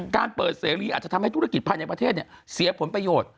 การเปิดเสรีอาจจะทำให้ธุรกิจภายในประเทศเสียผลประโยชน์